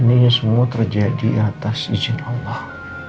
ini semua terjadi atas izin allah